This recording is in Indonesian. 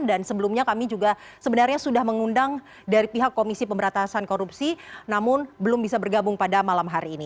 dan sebelumnya kami juga sebenarnya sudah mengundang dari pihak komisi pemberatasan korupsi namun belum bisa bergabung pada malam hari ini